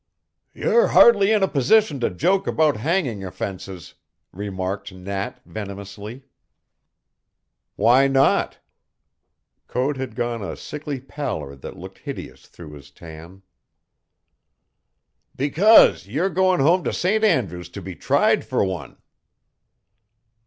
"You're hardly in a position to joke about hanging offenses," remarked Nat venomously. "Why not?" Code had gone a sickly pallor that looked hideous through his tan. "Because you're goin' home to St. Andrew's to be tried for one."